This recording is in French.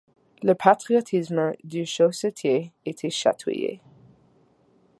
Le patriotisme du chaussetier était chatouillé.